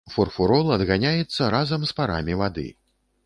Фурфурол адганяецца разам з парамі вады.